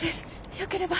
よければ！